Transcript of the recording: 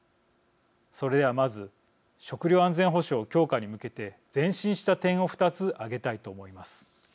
それではまず食料安全保障強化に向けて前進した点を２つ挙げたいと思います。